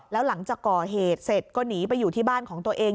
แล้วหลังจากก่อเหตุเสร็จก็หนีไปอยู่ที่บ้านของตัวเอง